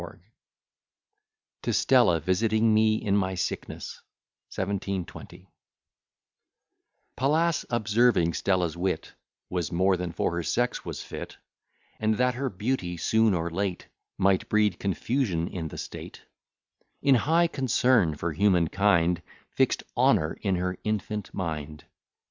_] TO STELLA VISITING ME IN MY SICKNESS 1720 Pallas, observing Stella's wit Was more than for her sex was fit, And that her beauty, soon or late, Might breed confusion in the state, In high concern for human kind, Fix'd honour in her infant mind.